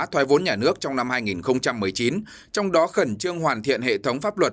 thoái vốn nhà nước trong năm hai nghìn một mươi chín trong đó khẩn trương hoàn thiện hệ thống pháp luật